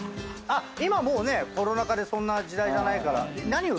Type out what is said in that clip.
今もうねコロナ禍でそんな時代じゃないから。